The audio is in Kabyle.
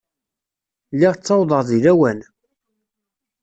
Lliɣ ttawḍeɣ deg lawan.